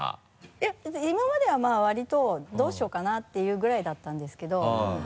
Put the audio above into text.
いや別に今まではわりと「どうしようかな？」っていうぐらいだったんですけど。